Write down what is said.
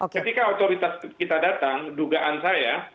ketika otoritas kita datang dugaan saya